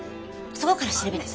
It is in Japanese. そこから調べて。